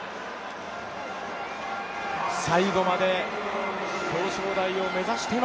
最後まで表彰台を目指しての